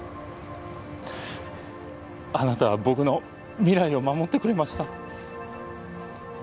あなたは僕の未来を護ってくれました。